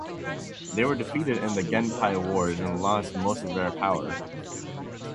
They were defeated in the Genpei Wars, and lost most of their power.